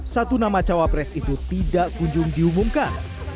satu nama cawa pres itu tidak kunjung diumumkan